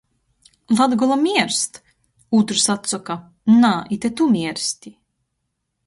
Latgola mierst!!! Ūtrys atsoka: "Nā, ite tu miersti."